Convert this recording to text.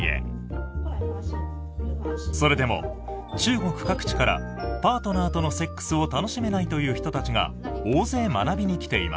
それでも中国各地からパートナーとのセックスを楽しめないという人たちが大勢学びに来ていました。